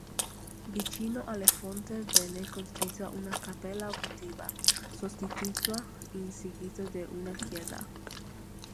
Vicino alla fonte venne costruita una cappella votiva, sostituita in seguito da una chiesa.